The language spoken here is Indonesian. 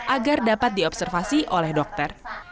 agar dapat diobservasi oleh dokter